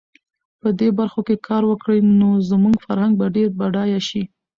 په دې برخو کې کار وکړي، نو زموږ فرهنګ به ډېر بډایه شي.